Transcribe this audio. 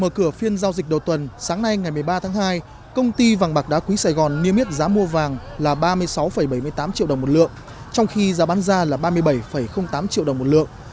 mở cửa phiên giao dịch đầu tuần sáng nay ngày một mươi ba tháng hai công ty vàng bạc đá quý sài gòn niêm yết giá mua vàng là ba mươi sáu bảy mươi tám triệu đồng một lượng trong khi giá bán ra là ba mươi bảy tám triệu đồng một lượng